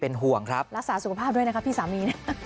โอเคขอให้โชคดี